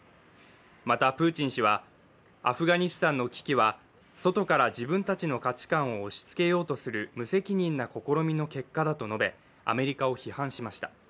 またプーチン氏はアフガニスタンの危機は外から自分たちの価値観を押しつけようとする無責任な試みの結果だと述べ、アメリカを批判しました。